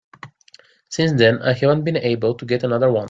Since then I haven't been able to get another one.